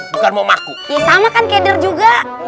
bukan mau makuki sama kan keder juga